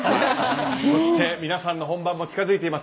そして皆さんの本番も近づいています。